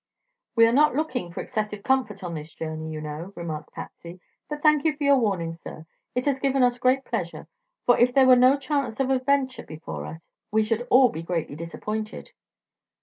"We are not looking for excessive comfort on this journey, you know," remarked Patsy. "But thank you for your warning, sir. It has given us great pleasure; for if there were no chance of adventure before us we should all be greatly disappointed."